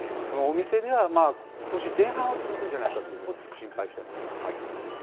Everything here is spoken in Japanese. このお店では、ことし前半は続くんじゃないかと心配してました。